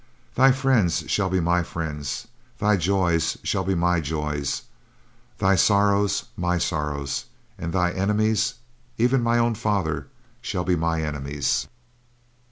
Thy friends shall be my friends; thy joys shall be my joys; thy sorrows, my sorrows; and thy enemies, even mine own father, shall be my enemies.